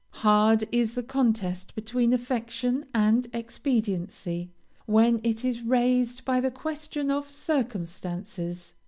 Hard is the contest between affection and expediency, when it is raised by the question of circumstances.